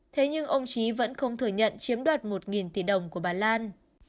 thế nhưng ông trí vẫn không thừa nhận chiếm đoạt một tỷ đồng của bà lan